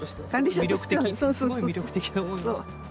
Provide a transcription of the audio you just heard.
すごい魅力的なお庭。